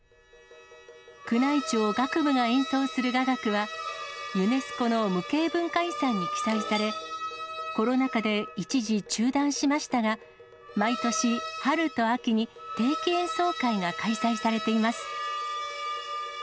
宮内庁楽部が演奏する雅楽はユネスコの無形文化遺産に記載され、コロナ禍で一時中断しましたが、毎年春と秋に定期演奏会が開催されています。